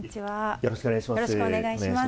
よろしくお願いします。